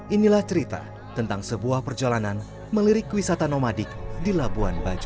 inilah cerita tentang sebuah perjalanan melirik wisata nomadik di labuan bajo